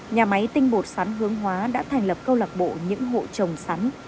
nhà máy tinh bột sắn hướng hóa đã thành lập câu lạc bộ những hộ trồng sắn